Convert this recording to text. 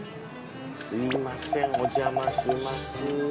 すいませんお邪魔します。